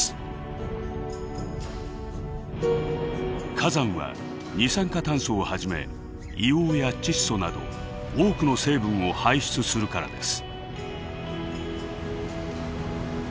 火山は二酸化炭素をはじめ硫黄や窒素など多くの成分を排出するからです。